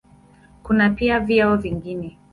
Kuna pia vyeo vingine.